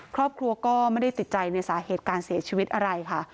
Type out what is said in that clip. ครอบครัวก็ไม่ได้ติดใจในสาเหตุการเสียชีวิตอะไรค่ะ